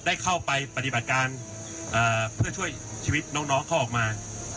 ได้เข้าไปปฏิบัติการเพื่อช่วยชีวิตน้องเขาออกมา